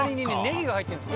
ネギが入ってるんです